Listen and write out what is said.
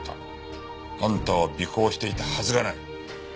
あんたを尾行していたはずがない。